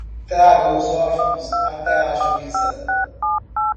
Traga os órfãos até a juíza